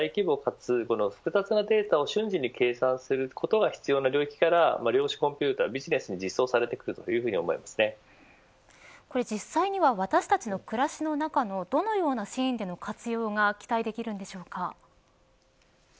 これをクリアするために今後、大規模かつ複雑なデータを瞬時に計算することが必要な領域から量子コンピュータービジネスに実際に私たちの暮らしの中でどのようなシーンでの活用が期待できるのでしょうか。